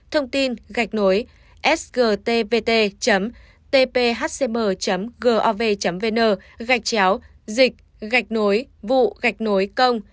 thông tin gạch nối sgtvt tphcm gov vn gạch chéo dịch gạch nối vụ gạch nối công